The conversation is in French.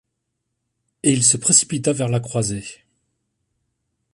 Et il se précipita vers la croisée.